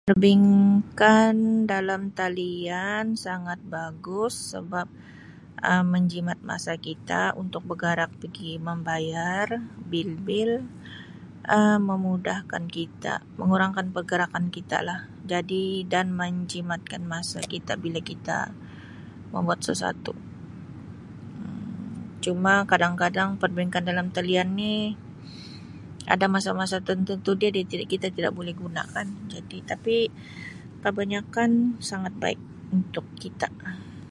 Perbankan dalam talian sangat bagus sebab Um menjimat masa kita untuk bergerak pigi membayar bil-bil, Um memudahkan kita mengurangkan pergerakan kita lah jadi dan menjimatkan masa kita bila kita membuat sesuatu Um cuma kadang-kadang perbankan dalam talian ni ada masa-masa tertentu dia kita tidak boleh gunakan jadi tapi kebanyakkan sangat baik untuk kita.